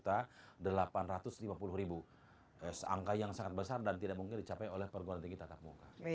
angka yang sangat besar dan tidak mungkin dicapai oleh perguruan tinggi tatap muka